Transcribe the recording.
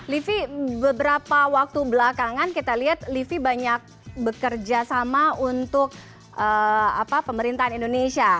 livi beberapa waktu belakangan kita lihat livi banyak bekerja sama untuk pemerintahan indonesia